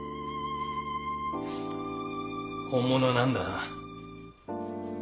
本物なんだな？